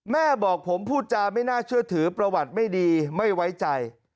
แม่บอกผมพูดจาไม่น่าเชื่อถือประวัติไม่ดีไม่ไว้ใจ